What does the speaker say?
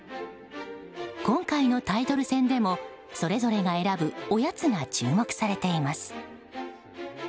今回のタイトル戦でもそれぞれが選ぶおやつが注目されています。